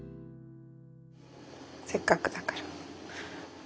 せっかくだから。